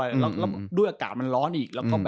แล้วด้วยอากาศมันร้อนอีก